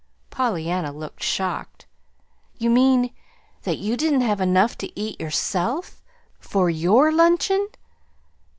Pollyanna looked shocked. "You mean that you didn't have enough to eat yourself? for YOUR luncheon?"